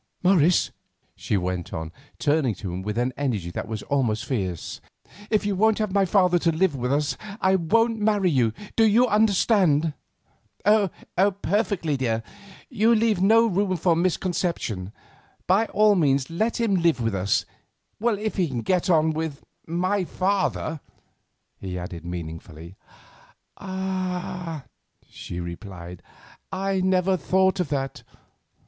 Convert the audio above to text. Morris," she went on, turning to him with an energy that was almost fierce, "if you won't have my father to live with us, I won't marry you. Do you understand?" "Perfectly, dear, you leave no room for misconception. By all means let him live with us—if he can get on with my father," he added meaningly. "Ah!" she replied, "I never thought of that.